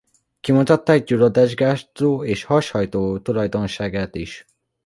Kimutatták gyulladásgátló és hashajtó tulajdonságát is.